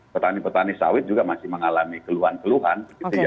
petani petani sawit juga masih mengalami keluhan keluhan